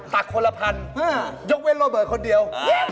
คนละพันยกเว้นโรเบิร์ตคนเดียว